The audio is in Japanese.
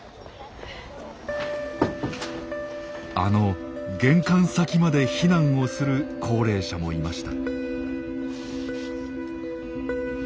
あの玄関先まで避難をする高齢者もいました。